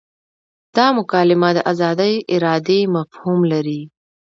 دا مکالمه د ازادې ارادې مفهوم لري.